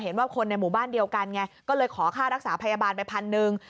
เห็นว่าคนในหมู่บ้านเดียวกันไงก็เลยขอค่ารักษาพยาบาลไปพันหนึ่ง